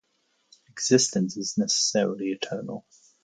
Existence is necessarily eternal.